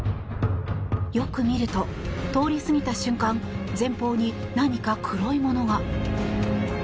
よく見ると、通り過ぎた瞬間前方に何か黒いものが。